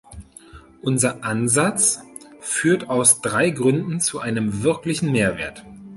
Unser Ansatz führt aus drei Gründen zu einem wirklichen Mehrwert.